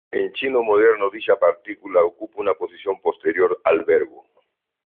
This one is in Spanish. En chino moderno dicha partícula ocupa una posición posterior al verbo.